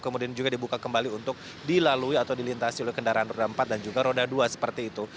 kemudian juga dibuka kembali untuk dilalui atau dilintasi oleh kendaraan roda empat dan juga roda dua seperti itu